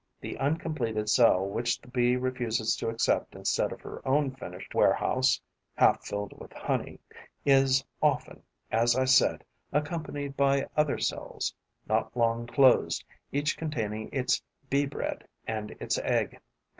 The uncompleted cell which the Bee refuses to accept instead of her own finished warehouse, half filled with honey, is often, as I said, accompanied by other cells, not long closed, each containing its Bee bread and its egg.